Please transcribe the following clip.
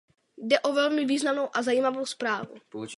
Jde o velmi významnou a zajímavou zprávu.